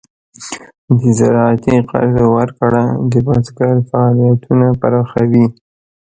د زراعتي قرضو ورکړه د بزګر فعالیتونه پراخوي.